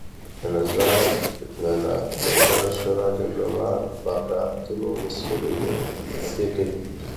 د نظار شورا جګړهمار بکارتونو د څېرلو کیسې کوي.